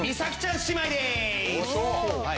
はい。